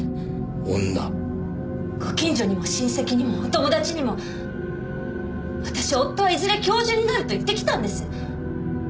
ご近所にも親戚にもお友達にも私「夫はいずれ教授になる」と言ってきたんです。